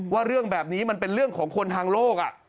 เรื่องแบบนี้มันเป็นเรื่องของคนทางโลก